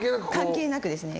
関係なくですね。